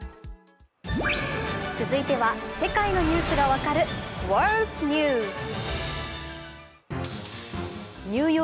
続いては世界のニュースが分かるワールドニュース。